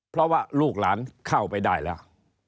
เพราะว่าลูกหลานเข้าไปได้แล้ว